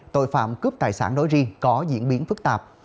tội phạm cướp tài sản đối riêng có diễn biến phức tạp